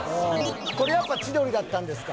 これやっぱ千鳥だったんですか？